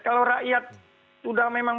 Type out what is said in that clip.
kalau rakyat sudah memang